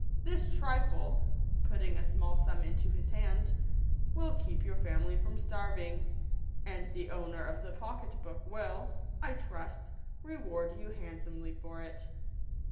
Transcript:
This trifle," putting a small sum into his hand, " will keep your family from starving; and the owner of the pocket book will, I trust, re ward you handsomely for it."